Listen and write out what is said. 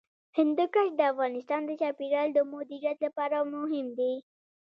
هندوکش د افغانستان د چاپیریال د مدیریت لپاره مهم دي.